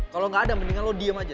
kalau nggak ada mendingan lo diem aja